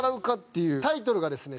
タイトルがですね